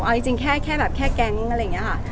เอาจริงแค่แก๊งอะไรอย่างนี้ค่ะ